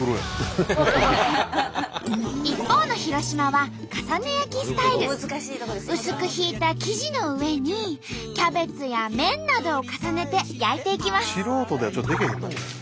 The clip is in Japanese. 一方の広島は薄くひいた生地の上にキャベツや麺などを重ねて焼いていきます。